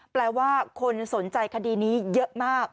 แปลว่าคนสนใจคดีนี้เยอะมาก